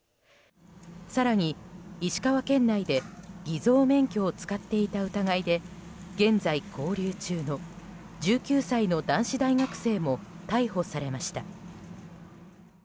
更に石川県内で偽造免許を使っていた疑いで現在勾留中の１９歳の男子大学生も逮捕されました。